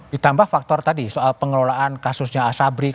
ditambah faktor tadi soal pengelolaan kasusnya asabrik